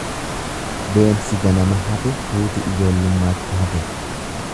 Deemsi ganama hafe, fuuti ijoollummaatti hafe.